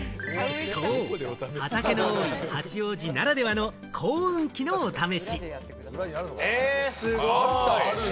畑の多い八王子ならではの、耕運機のお試し。